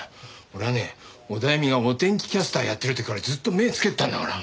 オダエミがお天気キャスターやってる時からずっと目付けてたんだから。